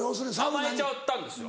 甘えちゃったんですよ。